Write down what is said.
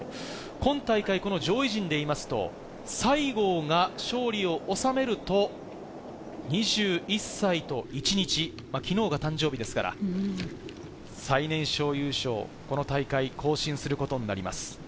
今大会上位陣でいいますと、西郷が勝利を収めると２２歳と１日、昨日が誕生日ですから最年少優勝、この大会、更新することになります。